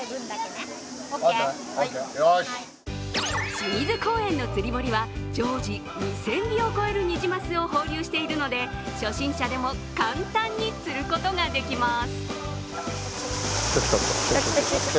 清水公園の釣堀は常時２０００尾を超えるニジマスを放流しているので初心者でも簡単に釣ることができます。